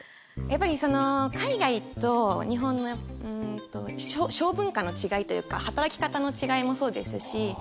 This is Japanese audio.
やっぱり海外と日本の商文化の違いというか働き方の違いもそうですし。